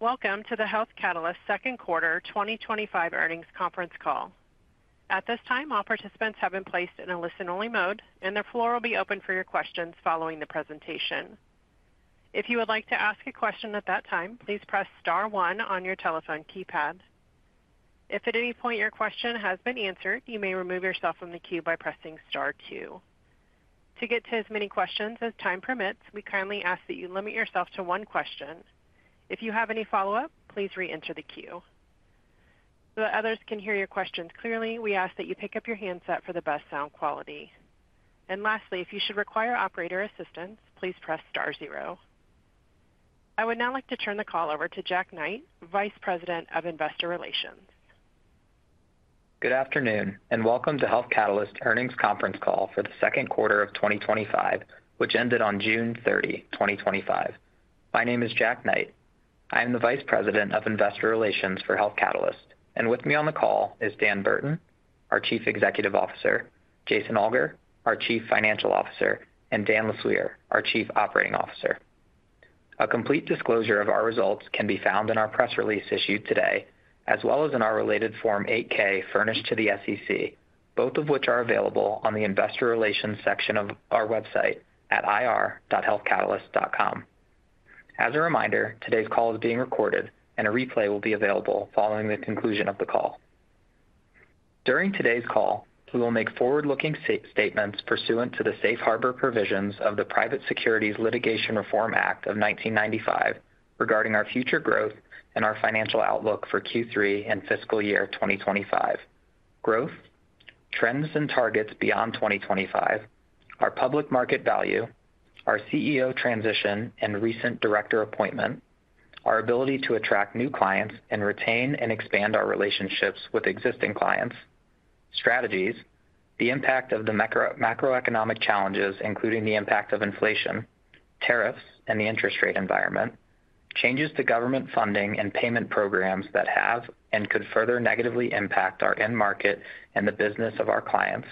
Welcome to the Health Catalyst Second Quarter 2025 Earnings Conference Call. At this time, all participants have been placed in a listen-only mode, and the floor will be open for your questions following the presentation. If you would like to ask a question at that time, please press star one on your telephone keypad. If at any point your question has been answered, you may remove yourself from the queue by pressing Star, two. To get to as many questions as time permits, we kindly ask that you limit yourself to one question. If you have any follow-up, please re-enter the queue. So that others can hear your questions clearly, we ask that you pick up your handset for the best sound quality. Lastly, if you should require operator assistance, please press Star, zero. I would now like to turn the call over to Jack Knight, Vice President of Investor Relations. Good afternoon and welcome to Health Catalyst Earnings Conference Call for the second quarter of 2025, which ended on June 30, 2025. My name is Jack Knight. I am the Vice President of Investor Relations for Health Catalyst, and with me on the call is Dan Burton, our Chief Executive Officer, Jason Alger, our Chief Financial Officer, and Dan Lesueur, our Chief Operating Officer. A complete disclosure of our results can be found in our press release issued today, as well as in our related Form 8-K furnished to the SEC, both of which are available on the Investor Relations section of our website at ir.healthcatalyst.com. As a reminder, today's call is being recorded, and a replay will be available following the conclusion of the call. During today's call, we will make forward-looking statements pursuant to the Safe Harbor provisions of the Private Securities Litigation Reform Act of 1995 regarding our future growth and our financial outlook for Q3 and fiscal year 2025, growth, trends and targets beyond 2025, our public market value, our CEO transition and recent director appointment, our ability to attract new clients and retain and expand our relationships with existing clients, strategies, the impact of the macroeconomic challenges, including the impact of inflation, tariffs, and the interest rate environment, changes to government funding and payment programs that have and could further negatively impact our end market and the business of our clients,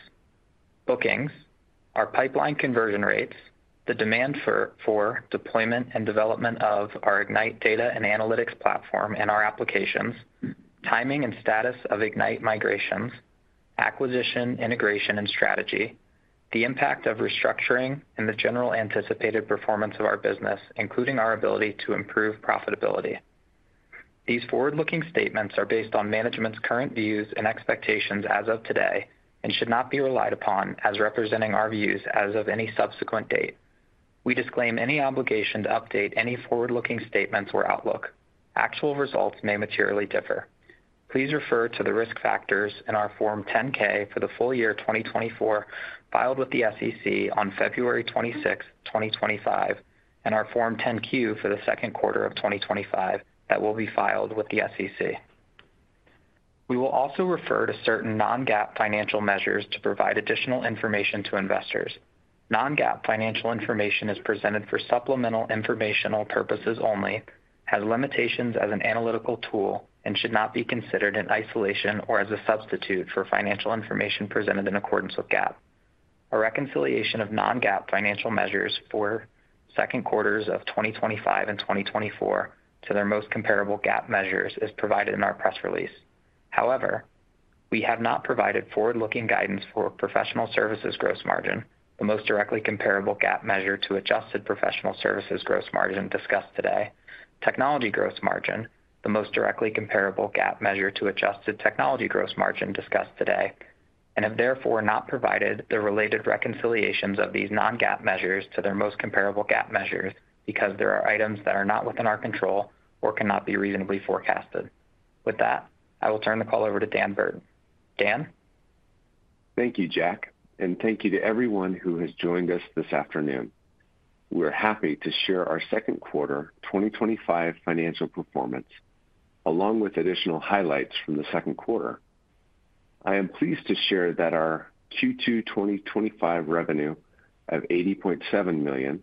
bookings, our pipeline conversion rates, the demand for deployment and development of our Ignite data and analytics platform and our applications, timing and status of Ignite migrations, acquisition, integration, and strategy, the impact of restructuring, and the general anticipated performance of our business, including our ability to improve profitability. These forward-looking statements are based on management's current views and expectations as of today and should not be relied upon as representing our views as of any subsequent date. We disclaim any obligation to update any forward-looking statements or outlook. Actual results may materially differ. Please refer to the risk factors in our Form 10-K for the full year 2024 filed with the SEC on February 26, 2025, and our Form 10-Q for the second quarter of 2025 that will be filed with the SEC. We will also refer to certain non-GAAP financial measures to provide additional information to investors. Non-GAAP financial information is presented for supplemental informational purposes only, has limitations as an analytical tool, and should not be considered in isolation or as a substitute for financial information presented in accordance with GAAP. A reconciliation of non-GAAP financial measures for second quarters of 2025 and 2024 to their most comparable GAAP measures is provided in our press release. However, we have not provided forward-looking guidance for professional services gross margin, the most directly comparable GAAP measure to adjusted professional services gross Margin discussed today, technology gross margin, the most directly comparable GAAP measure to adjusted technology gross margin discussed today, and have therefore not provided the related reconciliations of these non-GAAP measures to their most comparable GAAP measures because there are items that are not within our control or cannot be reasonably forecasted. With that, I will turn the call over to Dan Burton. Dan? Thank you, Jack, and thank you to everyone who has joined us this afternoon. We're happy to share our second quarter 2025 financial performance, along with additional highlights from the second quarter. I am pleased to share that our Q2 2025 revenue of $80.7 million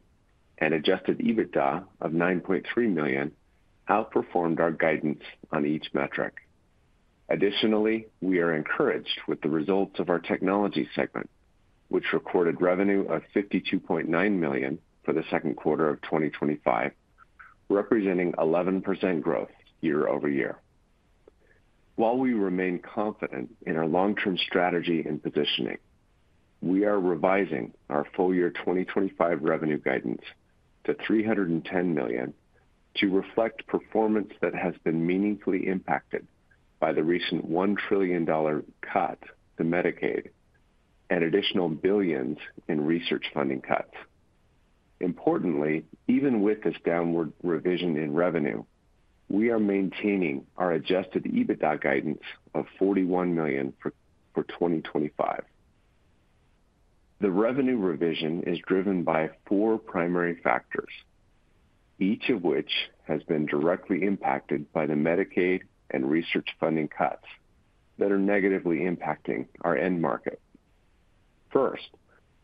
and adjusted EBITDA of $9.3 million outperformed our guidance on each metric. Additionally, we are encouraged with the results of our technology segment, which recorded revenue of $52.9 million for the second quarter of 2025, representing 11% growth year-over-year. While we remain confident in our long-term strategy and positioning, we are revising our full year 2025 revenue guidance to $310 million to reflect performance that has been meaningfully impacted by the recent $1 trillion cut to Medicaid and additional billions in research funding cuts. Importantly, even with this downward revision in revenue, we are maintaining our adjusted EBITDA guidance of $41 million for 2025. The revenue revision is driven by four primary factors, each of which has been directly impacted by the Medicaid and research funding cuts that are negatively impacting our end market. First,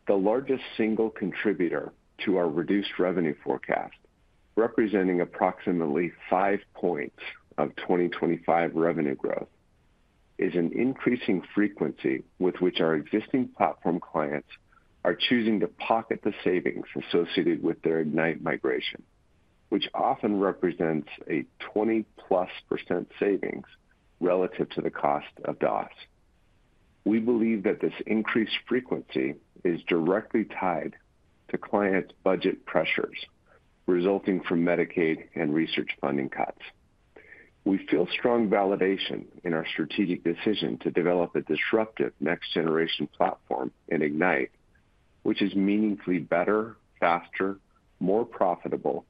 the largest single contributor to our reduced revenue forecast, representing approximately five points of 2025 revenue growth, is an increasing frequency with which our existing platform clients are choosing to pocket the savings associated with their Ignite migration, which often represents a 20+% savings relative to the cost of DOS. We believe that this increased frequency is directly tied to client budget pressures resulting from Medicaid and research funding cuts. We feel strong validation in our strategic decision to develop a disruptive next-generation platform in Ignite, which is meaningfully better, faster, more profitable,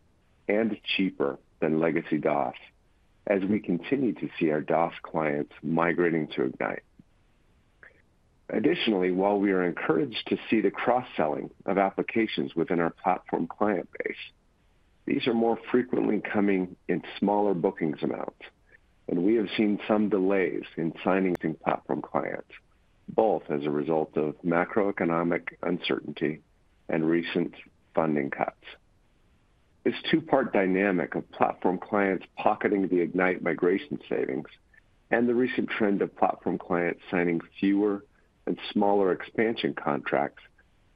and cheaper than legacy DOS, as we continue to see our DOS clients migrating to Ignite. Additionally, while we are encouraged to see the cross-selling of applications within our platform client base, these are more frequently coming in smaller bookings amounts, and we have seen some delays in signing platform clients, both as a result of macroeconomic uncertainty and recent funding cuts. This two-part dynamic of platform clients pocketing the Ignite migration savings and the recent trend of platform clients signing fewer and smaller expansion contracts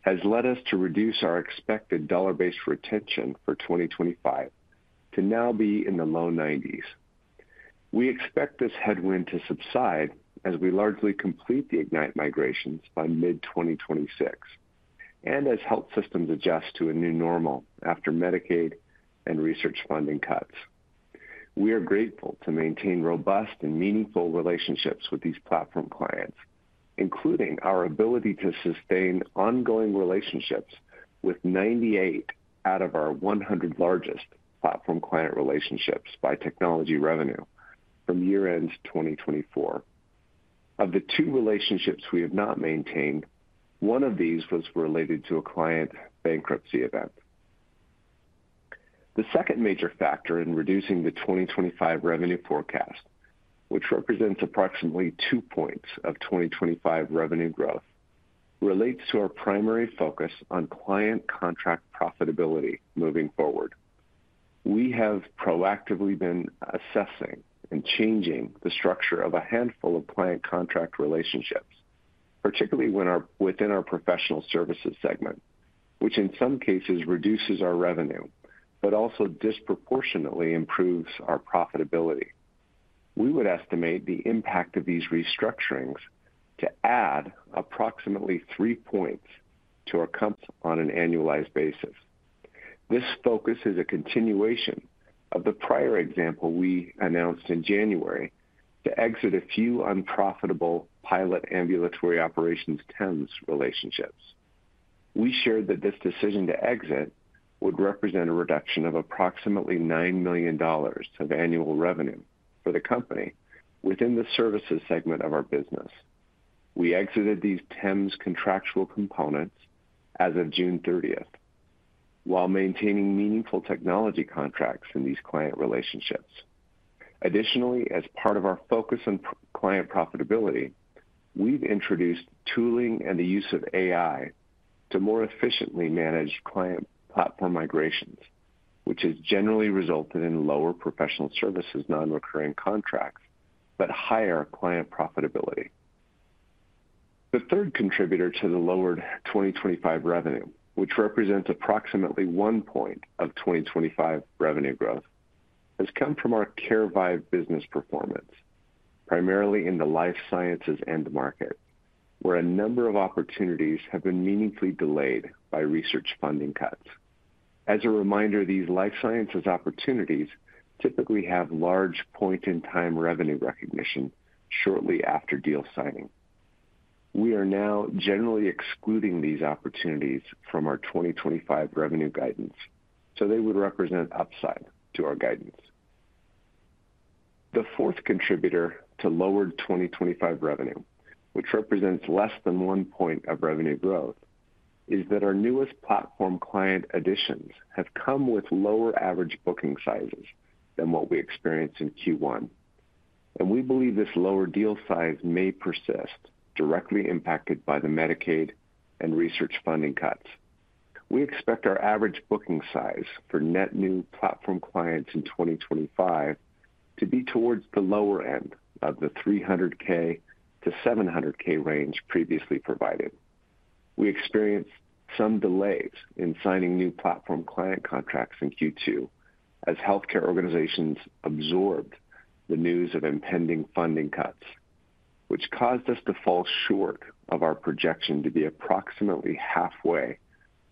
has led us to reduce our expected dollar-based retention for 2025 to now be in the low 90s. We expect this headwind to subside as we largely complete the Ignite migrations by mid-2026 and as health systems adjust to a new normal after Medicaid and research funding cuts. We are grateful to maintain robust and meaningful relationships with these platform clients, including our ability to sustain ongoing relationships with 98 out of our 100 largest platform client relationships by technology revenue from year-end 2024. Of the two relationships we have not maintained, one of these was related to a client bankruptcy event. The second major factor in reducing the 2025 revenue forecast, which represents approximately 2% of 2025 revenue growth, relates to our primary focus on client contract profitability moving forward. We have proactively been assessing and changing the structure of a handful of client contract relationships, particularly within our professional services segment, which in some cases reduces our revenue, but also disproportionately improves our profitability. We would estimate the impact of these restructurings to add approximately 3 ponts to our comps on an annualized basis. This focus is a continuation of the prior example we announced in January to exit a few unprofitable pilot ambulatory operations TEMS relationships. We shared that this decision to exit would represent a reduction of approximately $9 million of annual revenue for the company within the services segment of our business. We exited these TEMS contractual components as of June 30, while maintaining meaningful technology contracts in these client relationships. Additionally, as part of our focus on client profitability, we've introduced tooling and the use of AI to more efficiently manage client platform migrations, which has generally resulted in lower professional services non-recurring contracts, but higher client profitability. The third contributor to the lowered 2025 revenue, which represents approximately 1 point of 2025 revenue growth, has come from our Carevive business performance, primarily in the life sciences end market, where a number of opportunities have been meaningfully delayed by research funding cuts. As a reminder, these life sciences opportunities typically have large point-in-time revenue recognition shortly after deal signing. We are now generally excluding these opportunities from our 2025 revenue guidance, so they would represent upside to our guidance. The fourth contributor to lowered 2025 revenue, which represents less than one point of revenue growth, is that our newest platform client additions have come with lower average booking sizes than what we experienced in Q1, and we believe this lower deal size may persist, directly impacted by the Medicaid and research funding cuts. We expect our average booking size for net new platform clients in 2025 to be towards the lower end of the $300,000-$700,000 range previously provided. We experienced some delays in signing new platform client contracts in Q2 as healthcare organizations absorbed the news of impending funding cuts, which caused us to fall short of our projection to be approximately halfway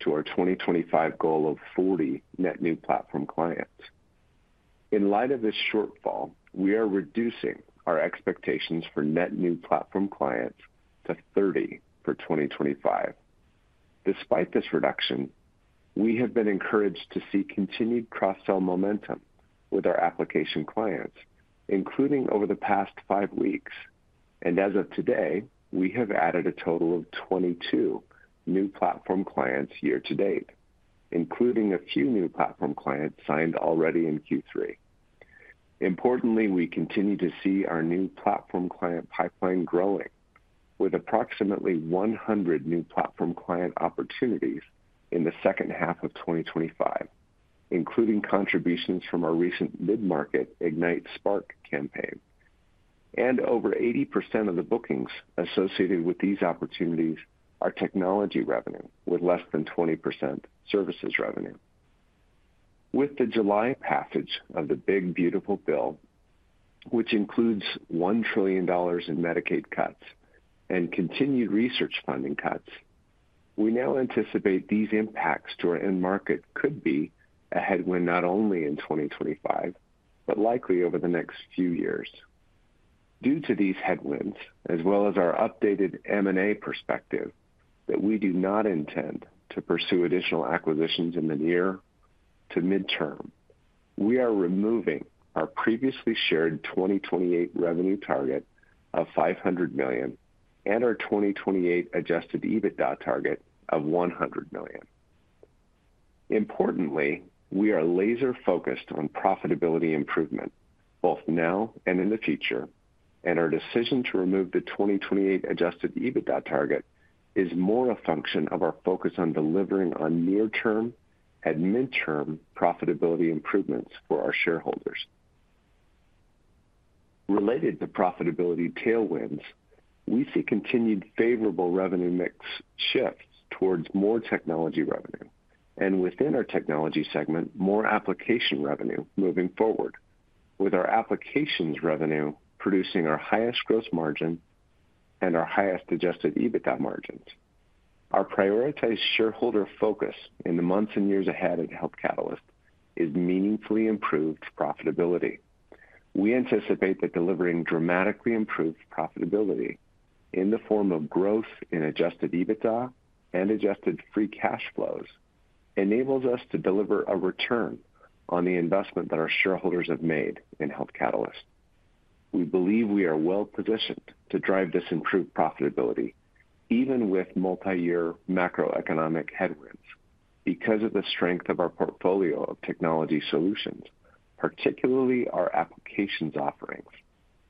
to our 2025 goal of 40 net new platform clients. In light of this shortfall, we are reducing our expectations for net new platform clients to 30 for 2025. Despite this reduction, we have been encouraged to see continued cross-sell momentum with our application clients, including over the past five weeks, and as of today, we have added a total of 22 new platform clients year to date, including a few new platform clients signed already in Q3. Importantly, we continue to see our new platform client pipeline growing with approximately 100 new platform client opportunities in the second half of 2025, including contributions from our recent mid-market Ignite Spark campaign. Over 80% of the bookings associated with these opportunities are technology revenue, with less than 20% services revenue. With the July passage of Big Beautiful Bill, which includes $1 trillion in Medicaid cuts and continued research funding cuts, we now anticipate these impacts to our end market could be a headwind not only in 2025, but likely over the next few years. Due to these headwinds, as well as our updated M&A perspective that we do not intend to pursue additional acquisitions in the near to midterm, we are removing our previously shared 2028 revenue target of $500 million and our 2028 adjusted EBITDA target of $100 million. Importantly, we are laser-focused on profitability improvement, both now and in the future, and our decision to remove the 2028 adjusted EBITDA target is more a function of our focus on delivering on near-term and midterm profitability improvements for our shareholders. Related to profitability tailwinds, we see continued favorable revenue mix shifts towards more technology revenue, and within our technology segment, more application revenue moving forward, with our applications revenue producing our highest gross margin and our highest adjusted EBITDA margins. Our prioritized shareholder focus in the months and years ahead at Health Catalyst is meaningfully improved profitability. We anticipate that delivering dramatically improved profitability in the form of growth in adjusted EBITDA and adjusted free cash flows enables us to deliver a return on the investment that our shareholders have made in Health Catalyst. We believe we are well-positioned to drive this improved profitability, even with multi-year macroeconomic headwinds, because of the strength of our portfolio of technology solutions, particularly our applications offerings,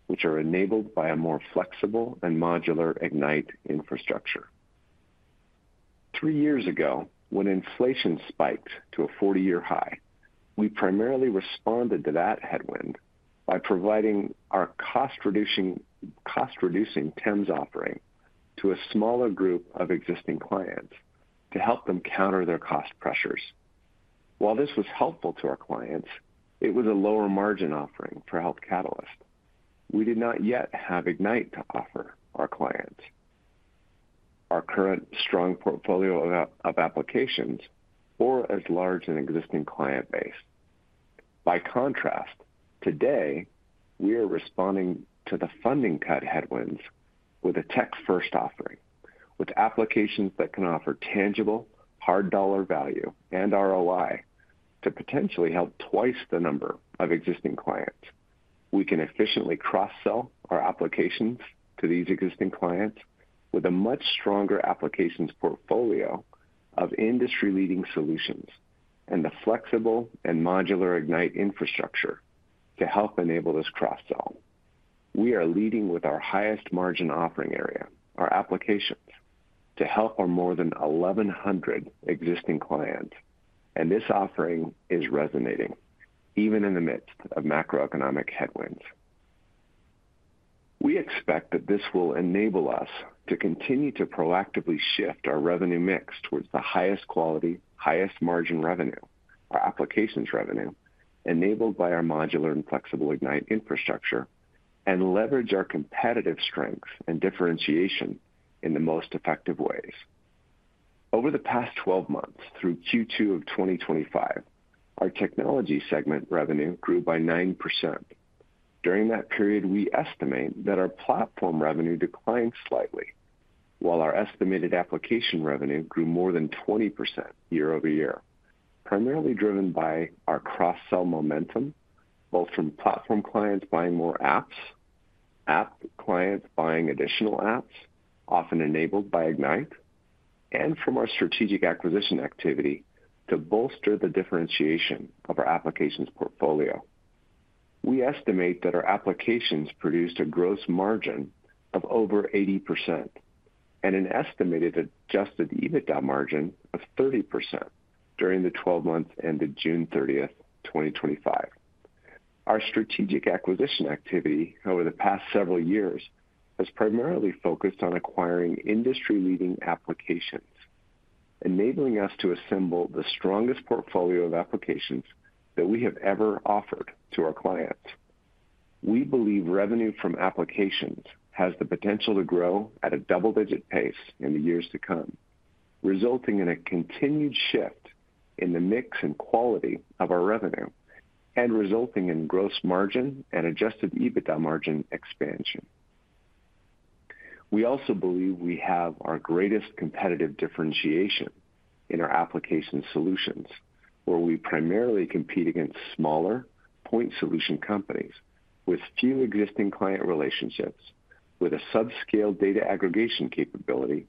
which are enabled by a more flexible and modular Ignite infrastructure. Three years ago, when inflation spiked to a 40-year high, we primarily responded to that headwind by providing our cost-reducing TEMS offering to a smaller group of existing clients to help them counter their cost pressures. While this was helpful to our clients, it was a lower margin offering for Health Catalyst. We did not yet have Ignite to offer our clients, our current strong portfolio of applications, or as large an existing client base. By contrast, today we are responding to the funding cut headwinds with a tech-first offering, with applications that can offer tangible hard dollar value and ROI to potentially help twice the number of existing clients. We can efficiently cross-sell our applications to these existing clients with a much stronger applications portfolio of industry-leading solutions and the flexible and modular Ignite infrastructure to help enable this cross-sell. We are leading with our highest margin offering area, our applications, to help our more than 1,100 existing clients, and this offering is resonating even in the midst of macroeconomic headwinds. We expect that this will enable us to continue to proactively shift our revenue mix towards the highest quality, highest margin revenue, our applications revenue, enabled by our modular and flexible Ignite infrastructure, and leverage our competitive strengths and differentiation in the most effective ways. Over the past 12 months, through Q2 of 2025, our technology segment revenue grew by 9%. During that period, we estimate that our platform revenue declined slightly, while our estimated application revenue grew more than 20% year-over-year, primarily driven by our cross-sell momentum, both from platform clients buying more apps, app clients buying additional apps, often enabled by Ignite, and from our strategic acquisition activity to bolster the differentiation of our applications portfolio. We estimate that our applications produced a gross margin of over 80% and an estimated adjusted EBITDA margin of 30% during the 12 months ended June 30th, 2025. Our strategic acquisition activity over the past several years has primarily focused on acquiring industry-leading applications, enabling us to assemble the strongest portfolio of applications that we have ever offered to our clients. We believe revenue from applications has the potential to grow at a double-digit pace in the years to come, resulting in a continued shift in the mix and quality of our revenue and resulting in gross margin and adjusted EBITDA margin expansion. We also believe we have our greatest competitive differentiation in our application solutions, where we primarily compete against smaller point solution companies with few existing client relationships, with a subscale data aggregation capability,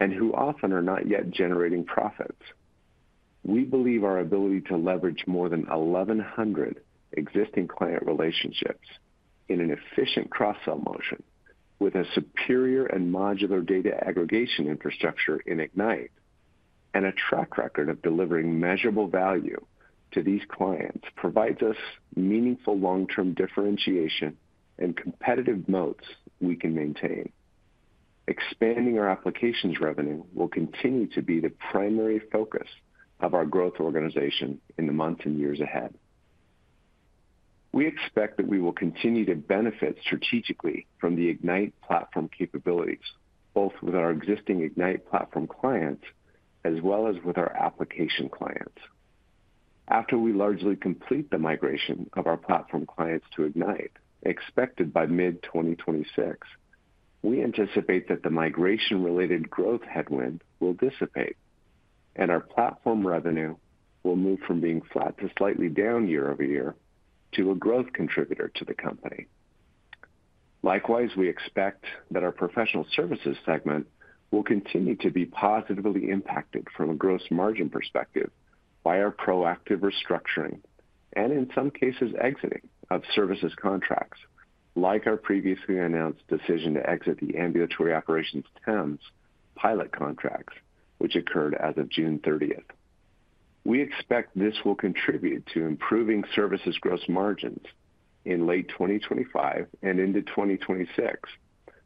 and who often are not yet generating profits. We believe our ability to leverage more than 1,100 existing client relationships in an efficient cross-sell motion, with a superior and modular data aggregation infrastructure in Ignite, and a track record of delivering measurable value to these clients provides us meaningful long-term differentiation and competitive notes we can maintain. Expanding our applications revenue will continue to be the primary focus of our growth organization in the months and years ahead. We expect that we will continue to benefit strategically from the Ignite platform capabilities, both with our existing Ignite platform clients as well as with our application clients. After we largely complete the migration of our platform clients to Ignite, expected by mid-2026, we anticipate that the migration-related growth headwind will dissipate, and our platform revenue will move from being flat to slightly down year over year to a growth contributor to the company. Likewise, we expect that our professional services segment will continue to be positively impacted from a gross margin perspective by our proactive restructuring and, in some cases, exiting of services contracts, like our previously announced decision to exit the ambulatory operations TEMS pilot contracts, which occurred as of June 30th. We expect this will contribute to improving services gross margins in late 2025 and into 2026,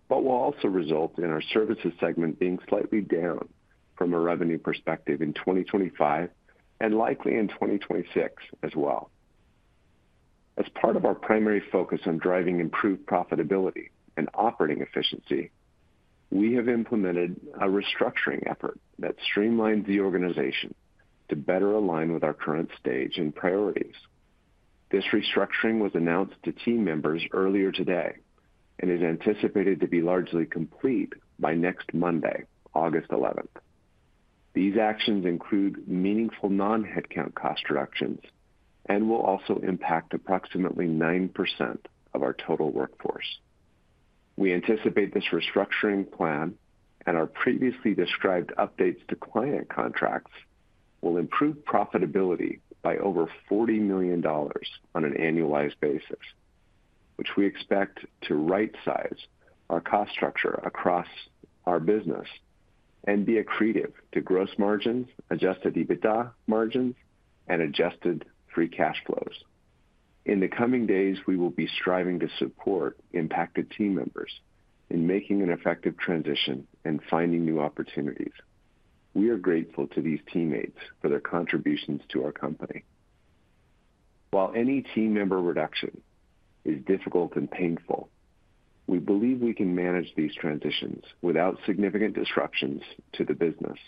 but will also result in our services segment being slightly down from a revenue perspective in 2025 and likely in 2026 as well. As part of our primary focus on driving improved profitability and operating efficiency, we have implemented a restructuring effort that streamlines the organization to better align with our current stage and priorities. This restructuring was announced to team members earlier today and is anticipated to be largely complete by next Monday, August 11. These actions include meaningful non-headcount cost reductions and will also impact approximately 9% of our total workforce. We anticipate this restructuring plan and our previously described updates to client contracts will improve profitability by over $40 million on an annualized basis, which we expect to right-size our cost structure across our business and be accretive to gross margins, adjusted EBITDA margins, and adjusted free cash flows. In the coming days, we will be striving to support impacted team members in making an effective transition and finding new opportunities. We are grateful to these teammates for their contributions to our company. While any team member reduction is difficult and painful, we believe we can manage these transitions without significant disruptions to the business,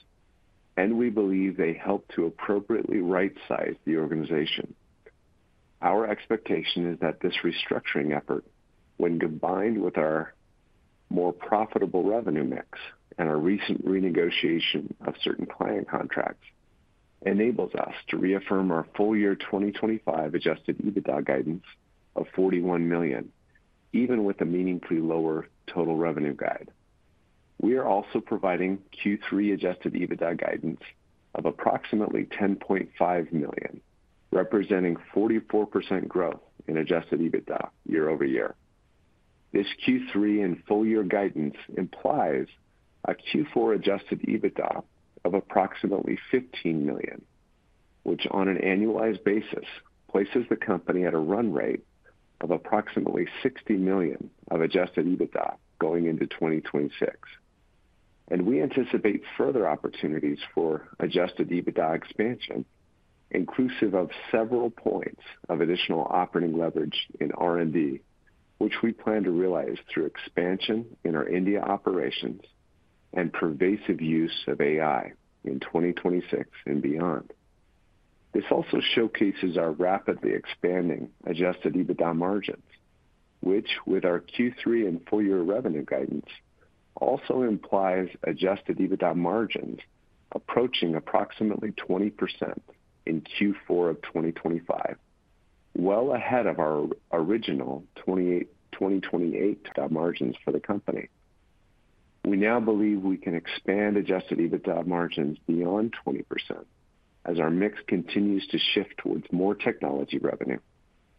and we believe they help to appropriately right-size the organization. Our expectation is that this restructuring effort, when combined with our more profitable revenue mix and our recent renegotiation of certain client contracts, enables us to reaffirm our full year 2025 adjusted EBITDA guidance of $41 million, even with a meaningfully lower total revenue guide. We are also providing Q3 adjusted EBITDA guidance of approximately $10.5 million, representing 44% growth in adjusted EBITDA year-over-year. This Q3 and full year guidance implies a Q4 adjusted EBITDA of approximately $15 million, which on an annualized basis places the company at a run rate of approximately $60 million of adjusted EBITDA going into 2026. We anticipate further opportunities for adjusted EBITDA expansion, inclusive of several points of additional operating leverage in R&D, which we plan to realize through expansion in our India operations and pervasive use of AI in 2026 and beyond. This also showcases our rapidly expanding adjusted EBITDA margins, which with our Q3 and full year revenue guidance also implies adjusted EBITDA margins approaching approximately 20% in Q4 of 2025, well ahead of our original 2028 EBITDA margins for the company. We now believe we can expand adjusted EBITDA margins beyond 20% as our mix continues to shift towards more technology revenue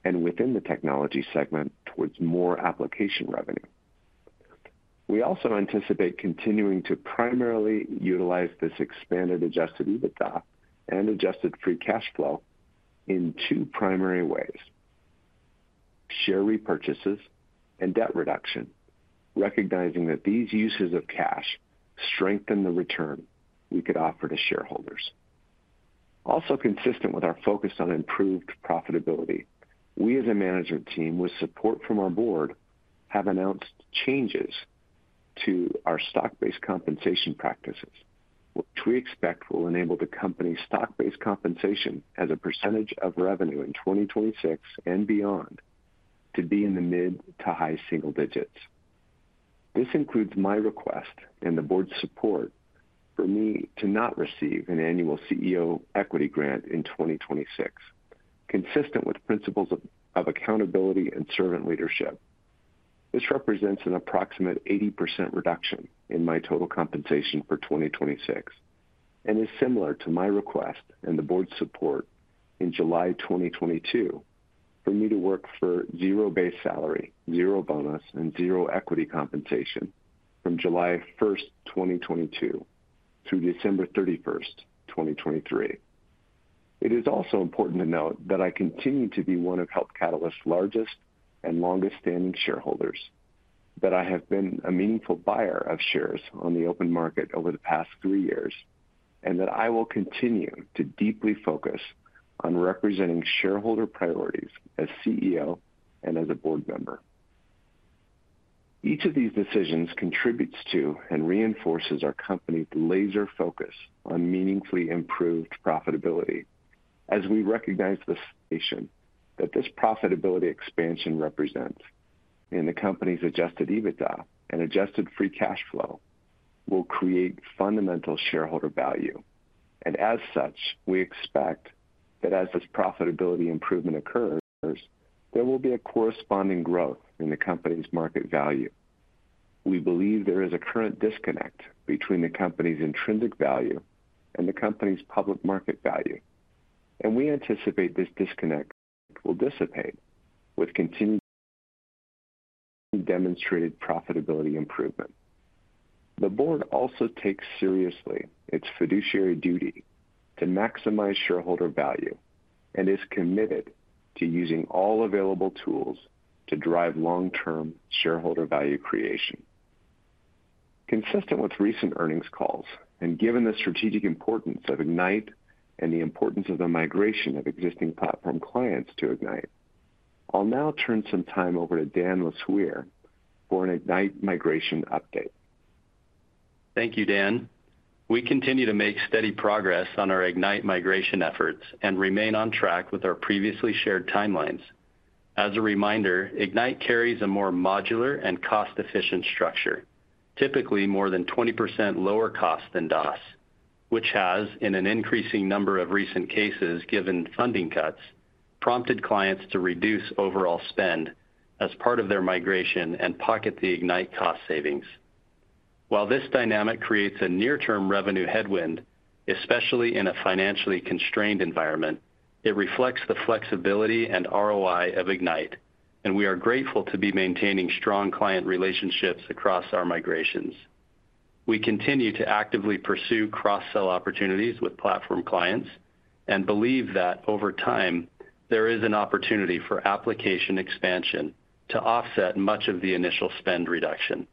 and within the technology segment towards more application revenue. We also anticipate continuing to primarily utilize this expanded adjusted EBITDA and adjusted free cash flow in two primary ways: share repurchases and debt reduction, recognizing that these uses of cash strengthen the return we could offer to shareholders. Also consistent with our focus on improved profitability, we as a management team, with support from our board, have announced changes to our stock-based compensation practices, which we expect will enable the company's stock-based compensation as a percentage of revenue in 2026 and beyond to be in the mid to high-single digits. This includes my request and the board's support for me to not receive an annual CEO equity grant in 2026, consistent with principles of accountability and servant leadership. This represents an approximate 80% reduction in my total compensation for 2026 and is similar to my request and the board's support in July 2022 for me to work for zero base salary, zero bonus, and zero equity compensation from July 1st, 2022 through December 31st, 2023. It is also important to note that I continue to be one of Health Catalyst's largest and longest-standing shareholders, that I have been a meaningful buyer of shares on the open market over the past three years, and that I will continue to deeply focus on representing shareholder priorities as CEO and as a board member. Each of these decisions contributes to and reinforces our company's laser focus on meaningfully improved profitability. We recognize the expansion that this profitability expansion represents in the company's adjusted EBITDA and adjusted free cash flow will create fundamental shareholder value. As such, we expect that as this profitability improvement occurs, there will be a corresponding growth in the company's market value. We believe there is a current disconnect between the company's intrinsic value and the company's public market value, and we anticipate this disconnect will dissipate with continued demonstrated profitability improvement. The board also takes seriously its fiduciary duty to maximize shareholder value and is committed to using all available tools to drive long-term shareholder value creation. Consistent with recent earnings calls and given the strategic importance of Ignite and the importance of the migration of existing platform clients to Ignite, I'll now turn some time over to Dan Lesueur for an Ignite migration update. Thank you, Dan. We continue to make steady progress on our Ignite migration efforts and remain on track with our previously shared timelines. As a reminder, Ignite carries a more modular and cost-efficient structure, typically more than 20% lower cost than DOS, which has, in an increasing number of recent cases given funding cuts, prompted clients to reduce overall spend as part of their migration and pocket the Ignite cost savings. While this dynamic creates a near-term revenue headwind, especially in a financially constrained environment, it reflects the flexibility and ROI of Ignite, and we are grateful to be maintaining strong client relationships across our migrations. We continue to actively pursue cross-sell opportunities with platform clients and believe that over time there is an opportunity for application expansion to offset much of the initial spend reduction.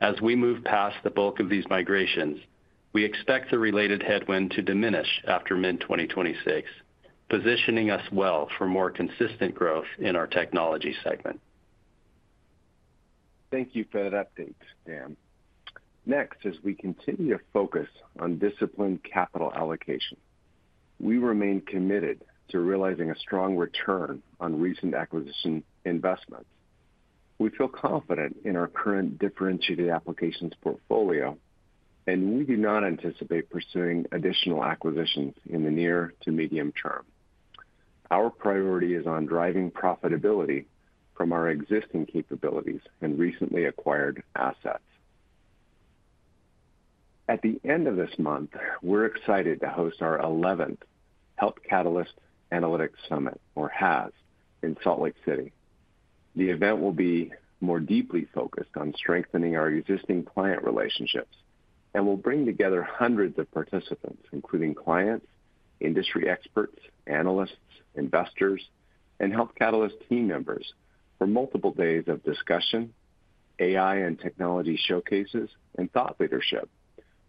As we move past the bulk of these migrations, we expect the related headwind to diminish after mid-2026, positioning us well for more consistent growth in our technology segment. Thank you for that update, Dan. Next, as we continue to focus on disciplined capital allocation, we remain committed to realizing a strong return on recent acquisition investments. We feel confident in our current differentiated applications portfolio, and we do not anticipate pursuing additional acquisitions in the near to medium term. Our priority is on driving profitability from our existing capabilities and recently acquired assets. At the end of this month, we're excited to host our 11th Health Catalyst Analytics Summit, or HAS, in Salt Lake City. The event will be more deeply focused on strengthening our existing client relationships and will bring together hundreds of participants, including clients, industry experts, analysts, investors, and Health Catalyst team members, for multiple days of discussion, AI and technology showcases, and thought leadership,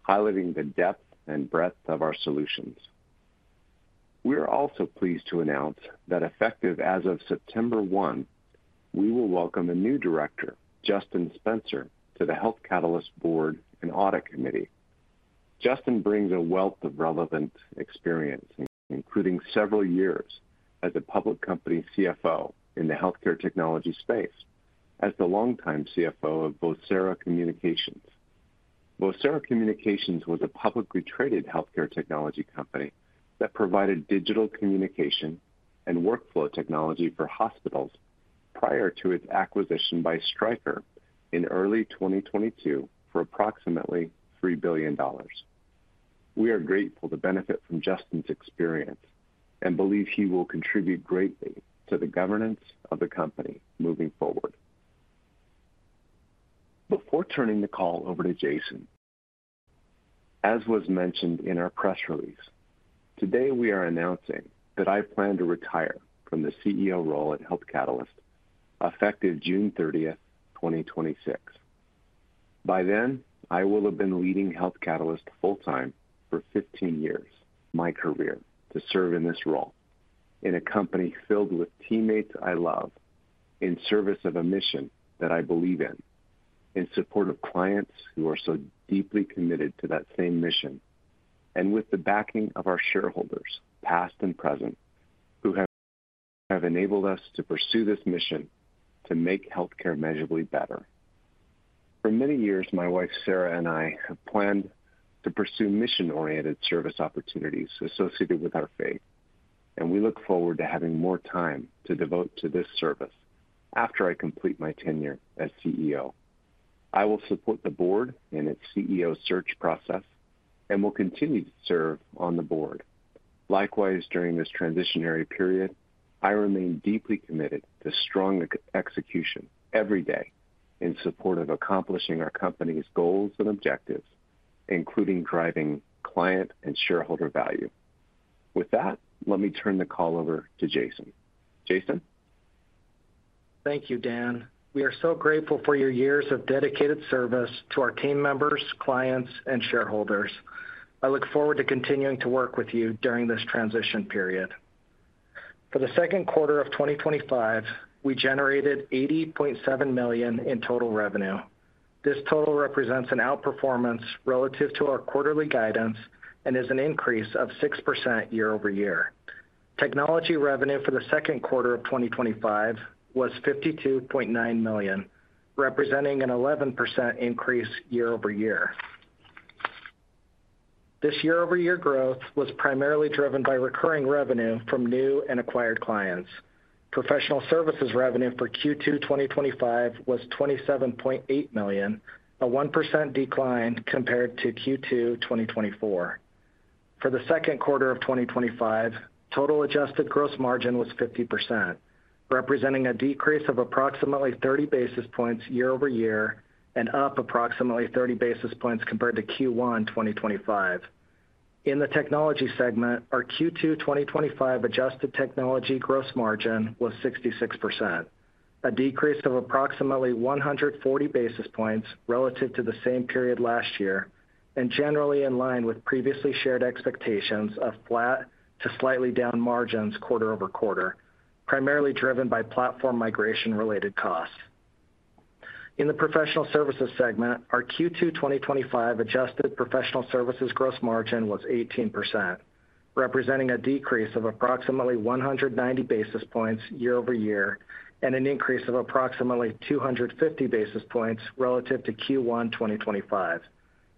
highlighting the depth and breadth of our solutions. We are also pleased to announce that effective as of September 1, we will welcome a new director, Justin Spencer, to the Health Catalyst Board and Audit Committee. Justin brings a wealth of relevant experience, including several years as a public company CFO in the healthcare technology space, as the longtime CFO of Vocera Communications. Vocera Communications was a publicly traded healthcare technology company that provided digital communication and workflow technology for hospitals prior to its acquisition by Stryker in early 2022 for approximately $3 billion. We are grateful to benefit from Justin's experience and believe he will contribute greatly to the governance of the company moving forward. Before turning the call over to Jason, as was mentioned in our press release, today we are announcing that I plan to retire from the CEO role at Health Catalyst effective June 30th, 2026. By then, I will have been leading Health Catalyst full-time for 15 years of my career to serve in this role in a company filled with teammates I love, in service of a mission that I believe in, in support of clients who are so deeply committed to that same mission, and with the backing of our shareholders, past and present, who have enabled us to pursue this mission to make healthcare measurably better. For many years, my wife, Sarah, and I have planned to pursue mission-oriented service opportunities associated with our faith, and we look forward to having more time to devote to this service after I complete my tenure as CEO. I will support the board in its CEO search process and will continue to serve on the board. Likewise, during this transitionary period, I remain deeply committed to strong execution every day in support of accomplishing our company's goals and objectives, including driving client and shareholder value. With that, let me turn the call over to Jason. Jason? Thank you, Dan. We are so grateful for your years of dedicated service to our team members, clients, and shareholders. I look forward to continuing to work with you during this transition period. For the second quarter of 2025, we generated $80.7 million in total revenue. This total represents an outperformance relative to our quarterly guidance and is an increase of 6% year-over-year. Technology revenue for the second quarter of 2025 was $52.9 million, representing an 11% increase year-over-year. This year-over-year growth was primarily driven by recurring revenue from new and acquired clients. Professional services revenue for Q2 2025 was $27.8 million, a 1% decline compared to Q2 2024. For the second quarter of 2025, total adjusted gross margin was 50%, representing a decrease of approximately 30 basis points year-over-year and up approximately 30 basis points compared to Q1 2025. In the technology segment, our Q2 2025 adjusted technology gross margin was 66%, a decrease of approximately 140 basis points relative to the same period last year and generally in line with previously shared expectations of flat to slightly down margins quarter-over-quarter, primarily driven by platform migration-related costs. In the professional services segment, our Q2 2025 adjusted professional services gross margin was 18%, representing a decrease of approximately 190 basis points year-over-year and an increase of approximately 250 basis points relative to Q1 2025.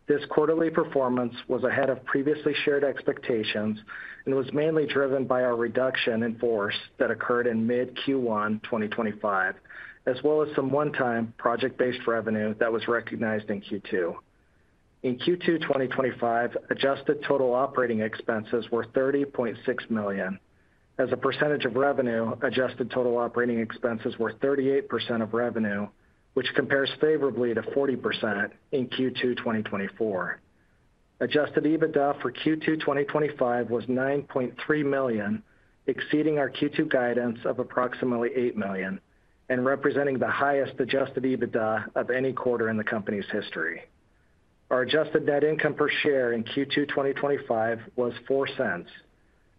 This quarterly performance was ahead of previously shared expectations and was mainly driven by our reduction in force that occurred in mid-Q1 2025, as well as some one-time project-based revenue that was recognized in Q2. In Q2 2025, adjusted total operating expenses were $30.6 million. As a percentage of revenue, adjusted total operating expenses were 38% of revenue, which compares favorably to 40% in Q2 2024. Adjusted EBITDA for Q2 2025 was $9.3 million, exceeding our Q2 guidance of approximately $8 million and representing the highest adjusted EBITDA of any quarter in the company's history. Our adjusted net income per share in Q2 2025 was $0.04.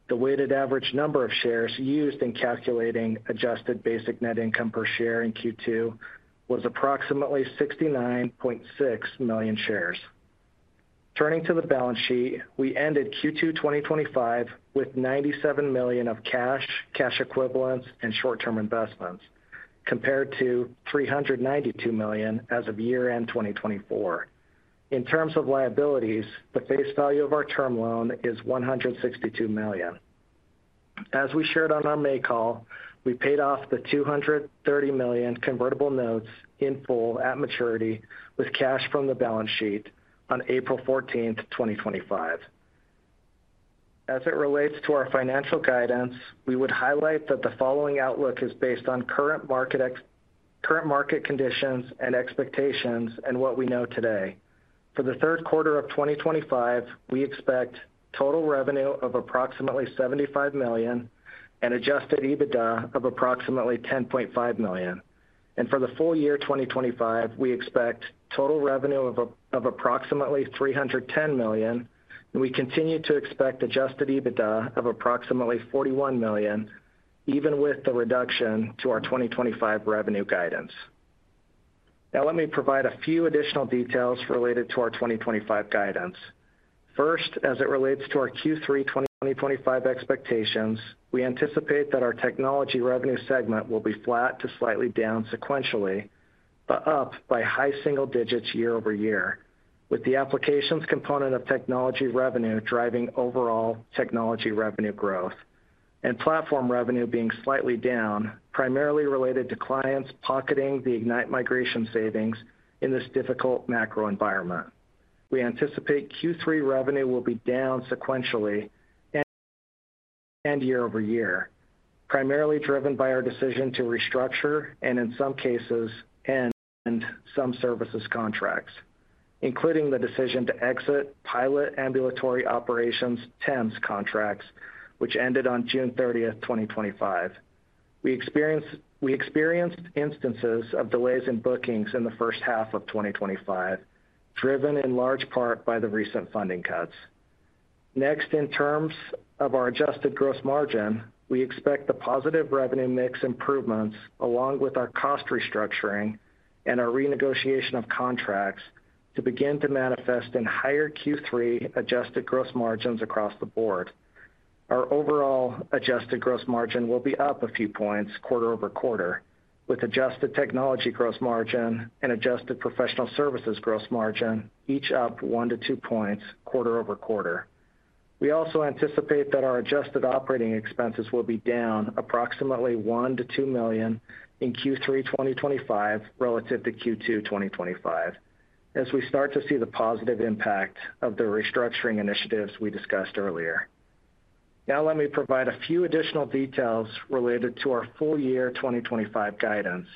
The weighted average number of shares used in calculating adjusted basic net income per share in Q2 was approximately 69.6 million shares. Turning to the balance sheet, we ended Q2 2025 with $97 million of cash, cash equivalents, and short-term investments, compared to $392 million as of year-end 2024. In terms of liabilities, the face value of our term loan is $162 million. As we shared on our May call, we paid off the $230 million convertible notes in full at maturity with cash from the balance sheet on April 14th, 2025. As it relates to our financial guidance, we would highlight that the following outlook is based on current market conditions and expectations and what we know today. For the third quarter of 2025, we expect total revenue of approximately $75 million and adjusted EBITDA of approximately $10.5 million. For the full year 2025, we expect total revenue of approximately $310 million, and we continue to expect adjusted EBITDA of approximately $41 million, even with the reduction to our 2025 revenue guidance. Now let me provide a few additional details related to our 2025 guidance. First, as it relates to our Q3 2025 expectations, we anticipate that our technology revenue segment will be flat to slightly down sequentially, but up by high single digits year-over-year, with the applications component of technology revenue driving overall technology revenue growth and platform revenue being slightly down, primarily related to clients pocketing the Ignite migration savings in this difficult macro environment. We anticipate Q3 revenue will be down sequentially and year over year, primarily driven by our decision to restructure and, in some cases, end some services contracts, including the decision to exit pilot ambulatory operations TEMS contracts, which ended on June 30th, 2025. We experienced instances of delays in bookings in the first half of 2025, driven in large part by the recent funding cuts. Next, in terms of our adjusted gross margin, we expect the positive revenue mix improvements, along with our cost restructuring and our renegotiation of contracts, to begin to manifest in higher Q3 adjusted gross margins across the board. Our overall adjusted gross margin will be up a few points quarter over quarter, with adjusted technology gross margin and adjusted professional services gross margin each up 1 to 2 points quarter-over-quarter. We also anticipate that our adjusted operating expenses will be down approximately $1 million-$2 million in Q3 2025 relative to Q2 2025, as we start to see the positive impact of the restructuring initiatives we discussed earlier. Now let me provide a few additional details related to our full year 2025 guidance.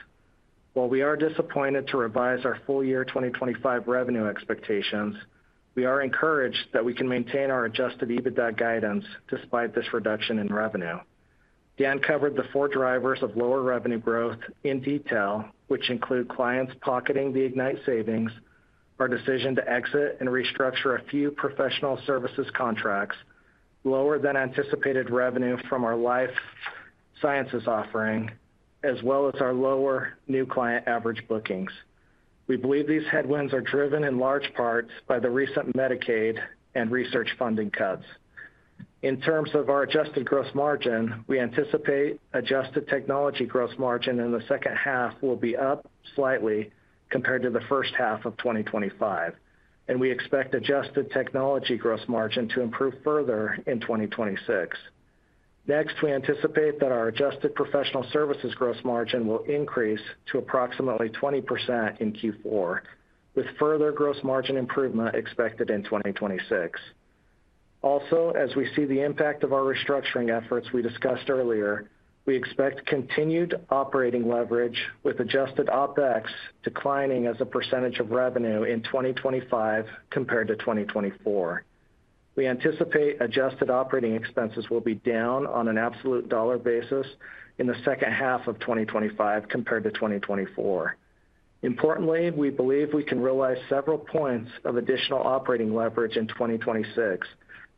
While we are disappointed to revise our full year 2025 revenue expectations, we are encouraged that we can maintain our adjusted EBITDA guidance despite this reduction in revenue. Dan covered the four drivers of lower revenue growth in detail, which include clients pocketing the Ignite savings, our decision to exit and restructure a few professional services contracts, lower than anticipated revenue from our life sciences offering, as well as our lower new client average bookings. We believe these headwinds are driven in large part by the recent Medicaid and research funding cuts. In terms of our adjusted gross margin, we anticipate adjusted technology gross margin in the second half will be up slightly compared to the first half of 2025, and we expect adjusted technology gross margin to improve further in 2026. Next, we anticipate that our adjusted professional services gross margin will increase to approximately 20% in Q4, with further gross margin improvement expected in 2026. Also, as we see the impact of our restructuring efforts we discussed earlier, we expect continued operating leverage with adjusted OpEx declining as a percentage of revenue in 2025 compared to 2024. We anticipate adjusted operating expenses will be down on an absolute dollar basis in the second half of 2025 compared to 2024. Importantly, we believe we can realize several points of additional operating leverage in 2026,